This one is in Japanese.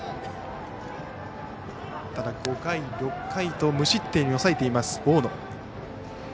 ただ、５回、６回と無失点に抑えています、大野。